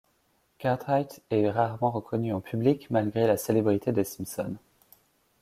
Cartwirght est rarement reconnue en public malgré la célébrité des Simpson.